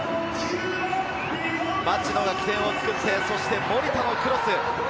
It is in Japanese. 町野が起点を作って守田のクロス。